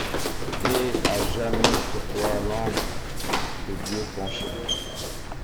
Aie à jamais sur toi l’ombre de Dieu penché!